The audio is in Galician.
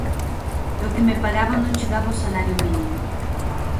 E o que me pagaban non chegaba ao salario mínimo.